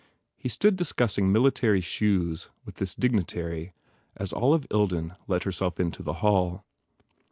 He stood discussing military shoes with this dig nitary as Olive Ilden let herself into the hall.